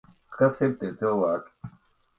Kas ir tie cilvēki?